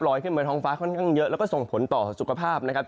ขึ้นบนท้องฟ้าค่อนข้างเยอะแล้วก็ส่งผลต่อสุขภาพนะครับ